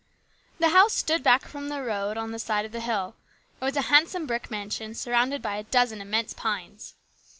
The house stood back from the road on the side of the hill. It was a handsome brick mansion, surrounded by a dozen immense pines.